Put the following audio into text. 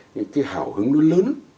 những cái hào hứng nó lớn